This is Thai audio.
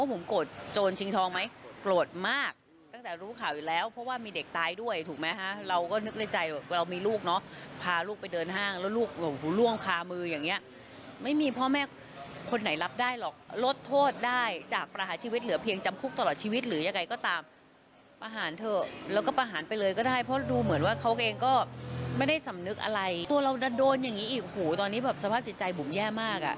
ไม่สำนึกอะไรตัวเรานัดโดนอย่างนี้อีกโอ้โหตอนนี้สภาพจิตใจบุมแย่มาก